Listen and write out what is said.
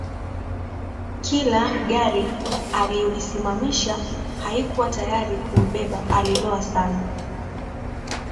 Kila gari aliyoisimamisha haikuwa tayari kumbeba aliloa sana